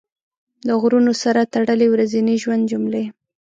د غرونو سره تړلې ورځني ژوند جملې